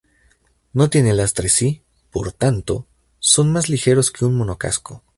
No tienen lastre y, por tanto, son más ligeros que un monocasco.